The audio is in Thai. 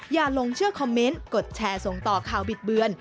อย่าลงเชื่อคอมเมนต์กดแชร์ส่งต่อข่าวบิดเบือน